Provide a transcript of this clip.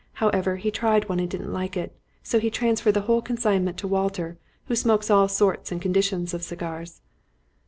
However, he tried one and didn't like it, so he transferred the whole consignment to Walter, who smokes all sorts and conditions of cigars."